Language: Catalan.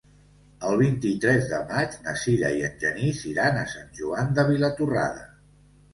El vint-i-tres de maig na Sira i en Genís iran a Sant Joan de Vilatorrada.